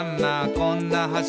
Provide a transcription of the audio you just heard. こんな橋」